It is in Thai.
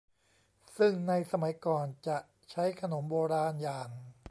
ซึ่งในสมัยก่อนจะใช้ขนมโบราณอย่าง